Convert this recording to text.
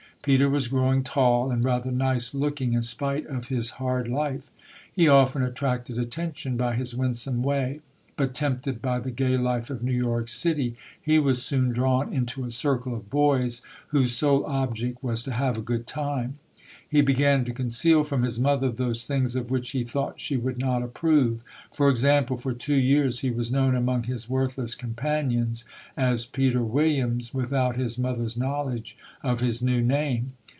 Peter was growing tall and rather nice look ing, in spite of his hard life. He often attracted 216 ] UNSUNG HEROES attention by his winsome way; but tempted by the gay life of New York City, he was soon drawn into a circle of boys whose sole object was to have a good time. He began to con ceal from his mother those things of which he thought she would not approve. For example, for two years he was known among his worthless companions as Peter Williams, without his moth er's knowledge of his new name.